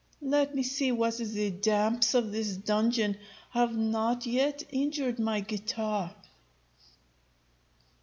Let me see whether the damps of this dungeon have not yet injured my guitar.